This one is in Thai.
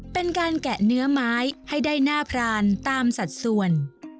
เป็นการแกะเนื้อไม้ให้ได้หน้าพรานตามสัดส่วน